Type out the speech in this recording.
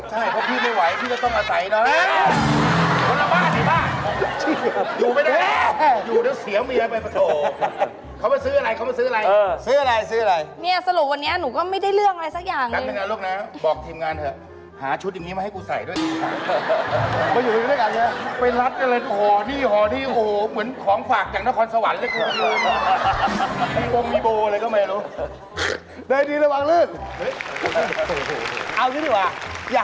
ใช่เพราะพี่ไม่ไหวพี่ก็ต้องอาศัย